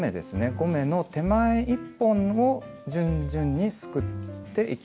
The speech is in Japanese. ５目の手前１本を順々にすくっていきます。